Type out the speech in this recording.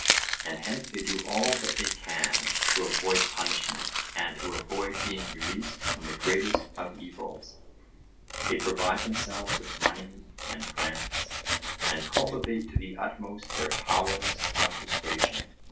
And hence they do all that they can to avoid punishment and to avoid being released from the greatest of evils; they provide themselves with money and friends, and cultivate to the utmost their powers of persuasion.